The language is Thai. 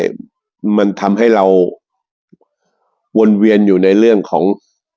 มันทำให้เราวนเวียนอยู่ในเรื่องของ